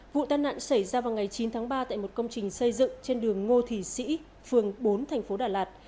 vụ tai nạn xảy ra vào ngày chín tháng ba tại một công trình xây dựng trên đường ngô thị sĩ phường bốn thành phố đà lạt